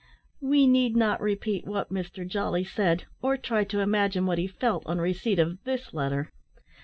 We need not repeat what Mr Jolly said, or try to imagine what he felt, on receipt of this letter!